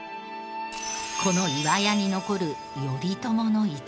この岩屋に残る頼朝の逸話は。